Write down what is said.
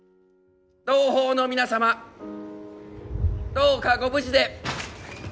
同胞の皆様どうかご無事で。